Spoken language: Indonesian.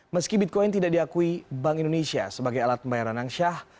meski bitcoin tidak diakui bank indonesia sebagai alat pembayaran angsyah